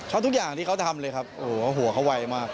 ชอบอย่างที่เขาทำเลยหัวเขาวายมาก